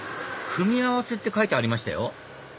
組み合わせって書いてありましたよ